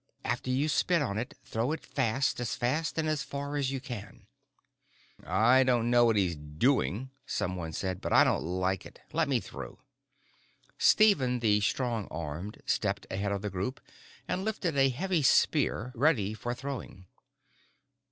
After you spit on it, throw it fast. As fast and as far as you can. "I don't know what he's doing," someone said, "but I don't like it. Let me through." Stephen the Strong Armed stepped ahead of the group and lifted a heavy spear, ready for throwing.